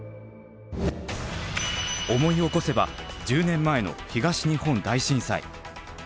思い起こせば１０年前の東日本大震災。